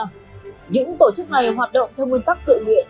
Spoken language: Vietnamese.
những tổ chức này hoạt động theo nguyên tắc tự nguyện